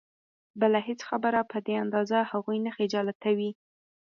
بله هېڅ خبره په دې اندازه هغوی نه خجالتوي.